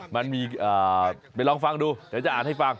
มันมีไปลองฟังดูเดี๋ยวจะอ่านให้ฟัง